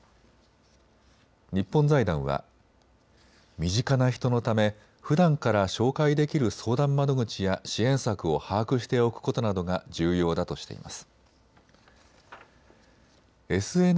日本財団は身近な人のためふだんから紹介できる相談窓口や支援策を把握しておくことなどが重要だとしています。